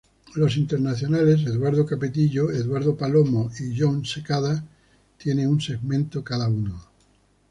Los internacionales Eduardo Capetillo, Eduardo Palomo y Jon Secada tienen un segmento cada uno.